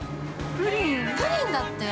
プリンだって。